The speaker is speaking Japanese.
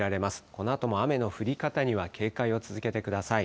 このあとも雨の降り方には警戒を続けてください。